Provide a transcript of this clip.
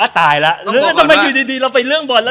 อ่ะตายล่ะแล้วทำไมอยู่ดีเราไปเรื่องบอลละ